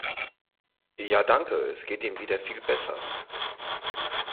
Ja danke, es geht ihm wieder viel besser.